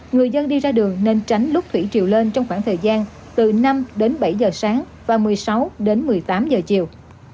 người dân đi ra đường nên tránh đốt thủy triều lên trong khoảng thời gian từ năm đến bảy giờ sáng và một mươi sáu đến một mươi tám giờ chiều